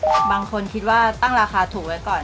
บางคนคิดว่าตั้งราคาถูกไว้ก่อน